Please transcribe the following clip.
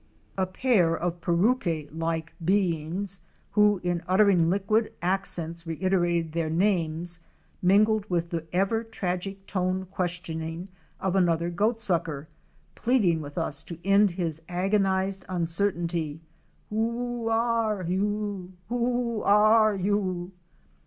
A pair of Parauque like beings who in uttering liquid accents reiterated their names, mingled with the ever tragic toned questioning of another Goatsucker, pleading with us to end his agonized uncertainty — Wh6 are you ? Wh6 are you